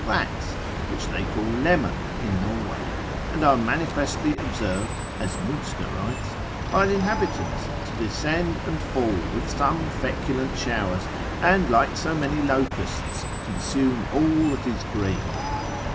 Rats, which they call lemmer in Norway, and are manifestly observed (as Munster writes) by the inhabitants, to descend and fall with some feculent showers, and like so many locusts, consume all that is green.